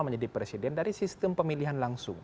menjadi presiden dari sistem pemilihan langsung